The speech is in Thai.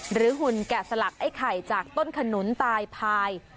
หุ่นแกะสลักไอ้ไข่จากต้นขนุนตายพาย